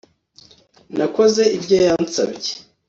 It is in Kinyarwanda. Nakoze ibyo yansabye